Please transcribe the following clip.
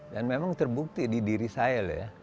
dan memang terbukti di diri saya ya